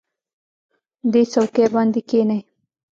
دې څوکۍ باندې کېنئ.